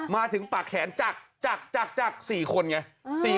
มาถึงปากแขนจัก๔คนไง